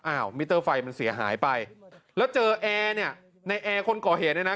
มิเตอร์ไฟมันเสียหายไปแล้วเจอแอร์เนี่ยในแอร์คนก่อเหตุเนี่ยนะ